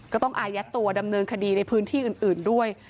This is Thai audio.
ก็ต้องอายัดตัวดำเนินคดีในพื้นที่อื่นด้วย